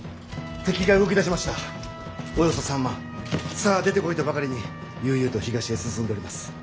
さあ出てこいとばかりに悠々と東へ進んでおります。